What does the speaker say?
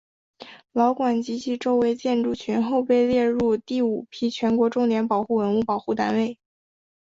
老馆及其周围的建筑群后被列入第五批全国重点文物保护单位。